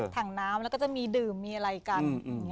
ถังน้ำแล้วก็จะมีดื่มมีอะไรกัน